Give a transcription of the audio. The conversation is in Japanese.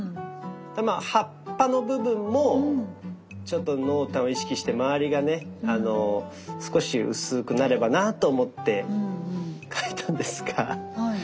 葉っぱの部分もちょっと濃淡を意識して周りがね少し薄くなればなと思って描いたんですが。